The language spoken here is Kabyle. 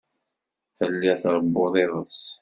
Telliḍ tṛewwuḍ iḍes.